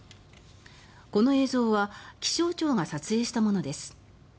この映像は気象庁が撮影したものです。